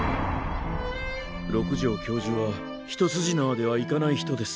六条教授は一筋縄ではいかない人です。